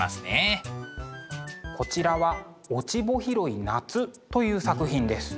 こちらは「落ち穂拾い、夏」という作品です。